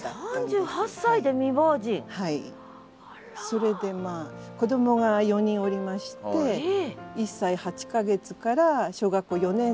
それでまあ子どもが４人おりまして１歳８か月から小学校４年生まで。